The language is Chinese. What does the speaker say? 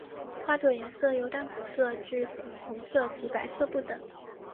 花朵颜色由淡紫色至粉红色及白色不等。